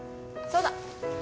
そうだ。